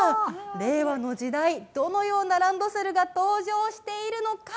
令和の時代、どのようなランドセルが登場しているのか。